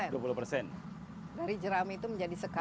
dari jerami itu menjadi sekarang